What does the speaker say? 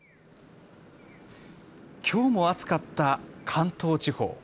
きょうも暑かった関東地方。